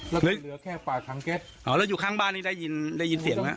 แล้วก็เหลือแค่ปากถังแก๊สอ๋อแล้วอยู่ข้างบ้านนี้ได้ยินได้ยินเสียงไหม